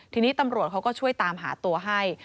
ทีนี้ตำรวจเขาก็ช่วยตามหาตัวให้